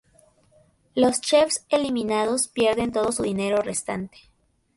Los chefs eliminados pierden todo su dinero restante.